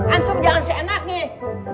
antum jangan si enak nih